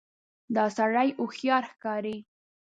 دا سړی هوښیار ښکاري.